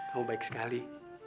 kamu baik sekali